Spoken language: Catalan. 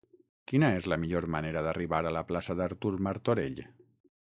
Quina és la millor manera d'arribar a la plaça d'Artur Martorell?